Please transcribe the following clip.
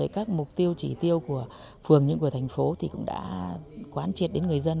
các mục tiêu chỉ tiêu của phường nhưng của thành phố cũng đã quán triệt đến người dân